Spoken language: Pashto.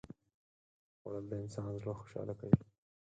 خوړل د انسان زړه خوشاله کوي